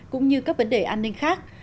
cũng như các vấn đề an ninh khác